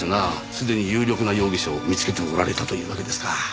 すでに有力な容疑者を見つけておられたというわけですか。